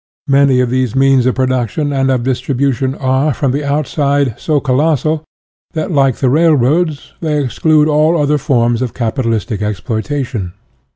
Many of these means of production and of distribution are, from the outset, so colossal, that, like the railroads, they exclude all other forms of capitalistic exploitation.